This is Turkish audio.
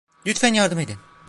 Lütfen yardım edin!